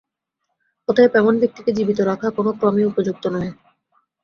অতএব এমন ব্যক্তিকে জীবিত রাখা কোম ক্রমেই উপযুক্ত নহে।